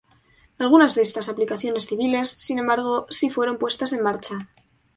Algunas de estas aplicaciones civiles, sin embargo, sí fueron puestas en marcha.